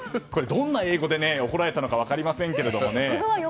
どんな英語で怒られたのは分かりませんけどね。